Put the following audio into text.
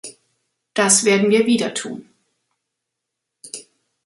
Das werden wir wieder tun.